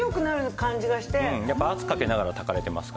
やっぱ圧かけながら炊かれてますから。